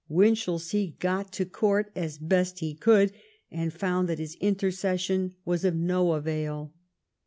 Winchelsea got to court as best he could, and found that his intercession was of no avail.